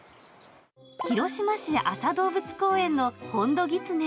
広島市安佐動物公園のホンドギツネ。